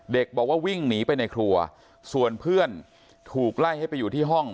บอกว่าวิ่งหนีไปในครัวส่วนเพื่อนถูกไล่ให้ไปอยู่ที่ห้อง